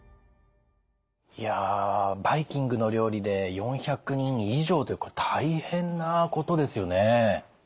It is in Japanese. いやバイキングの料理で４００人以上というこれ大変なことですよね。